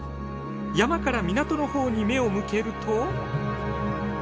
山から港の方に目を向けると。